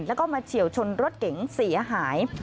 แล้วก็มาเฉียวชนรถเก๋งเสียหาย